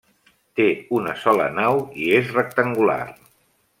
Té una sola nau i és rectangular.